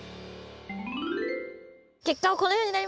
結果はこのようになりました。